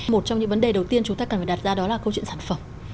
một trong những vấn đề đầu tiên chúng ta cần phải đặt ra đó là câu chuyện sản phẩm